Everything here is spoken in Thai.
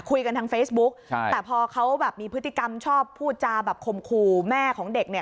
คุยกันทางเฟซบุ๊กใช่แต่พอเขาแบบมีพฤติกรรมชอบพูดจาแบบคมขู่แม่ของเด็กเนี่ย